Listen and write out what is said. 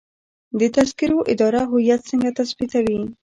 د تذکرو اداره هویت څنګه تثبیتوي؟